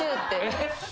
えっ？